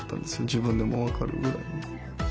自分でも分かるぐらい。